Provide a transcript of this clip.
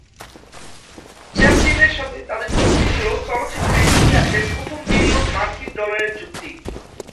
চ্যাপলিনের সাথে তাদের চুক্তি ছিল চলচ্চিত্রের ইতিহাসে প্রথম মিলিয়ন মার্কিন ডলারের চুক্তি।